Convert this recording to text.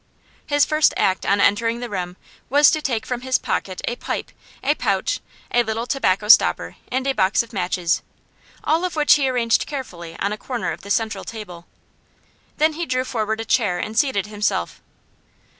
His first act on entering the room was to take from his pocket a pipe, a pouch, a little tobacco stopper, and a box of matches, all of which he arranged carefully on a corner of the central table. Then he drew forward a chair and seated himself.